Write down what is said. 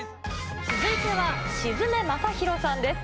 続いては鎮目政宏さんです。